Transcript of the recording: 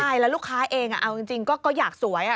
ใช่แล้วลูกค้าเองเอาจริงก็อยากสวย